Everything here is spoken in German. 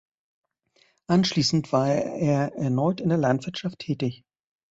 Anschließend war er erneut in der Landwirtschaft tätig.